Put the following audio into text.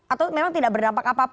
atau memang tidak berdampak apa apa